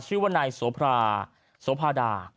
ชื่อว่านายโสภาโสภาดา